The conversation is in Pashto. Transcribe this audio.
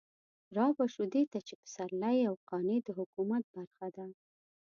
رابه شو دې ته چې پسرلي او قانع د حکومت برخه ده.